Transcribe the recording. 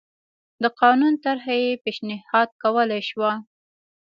د قانون طرحه یې پېشنهاد کولای شوه